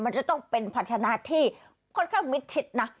มันจะต้องเป็นภาชนะที่ค่อนข้างมิดชิดนะ